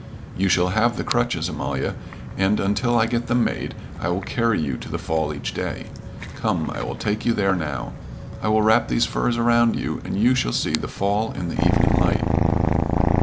"You shall have the crutches, Amalia, and until I get them made, I will carry you to the fall each day. Come, I will take you there now. I will wrap these furs around you, and you shall see the fall in the evening light."